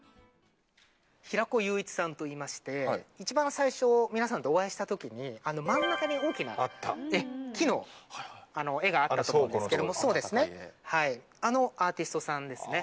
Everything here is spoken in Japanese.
平子雄一さんといいまして一番最初皆さんとお会いした時に真ん中に大きな木の絵があったと思うんですけどあのアーティストさんですね。